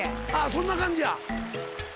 そんな感じや。